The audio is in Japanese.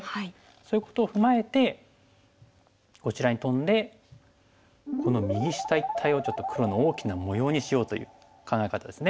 そういうことを踏まえてこちらにトンでこの右下一帯をちょっと黒の大きな模様にしようという考え方ですね。